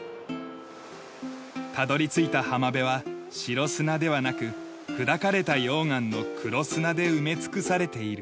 たどり着いた浜辺は白砂ではなく砕かれた溶岩の黒砂で埋め尽くされている。